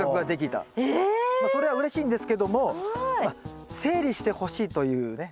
それはうれしいんですけども整理してほしいというねお願いが。